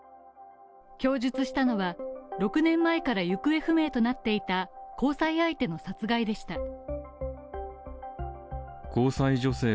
供述したのは、６年前から行方不明となっていた交際相手の殺害でした。